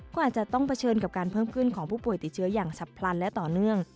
ก็อาจจะต้องเผชิญกับการเพิ่มขึ้นของผู้ป่วยติดเชื้ออย่างฉับพลันและต่อเนื่อง